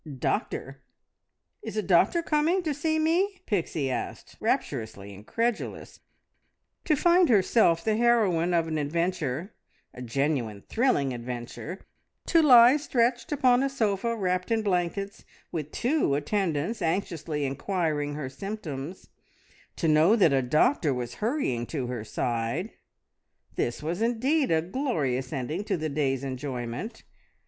"Doctor! Is a doctor coming? To see me?" Pixie asked, rapturously incredulous. To find herself the heroine of an adventure, a genuine thrilling adventure, to lie stretched upon a sofa, wrapped in blankets, with two attendants anxiously inquiring her symptoms; to know that a doctor was hurrying to her side this was indeed a glorious ending to the day's enjoyment!